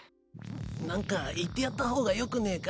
何か言ってやった方がよくねえか？